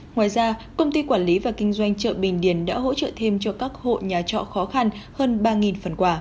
ngoài ra công ty quản lý và kinh doanh chợ bình điền đã hỗ trợ thêm cho các hộ nhà trọ khó khăn hơn ba phần quà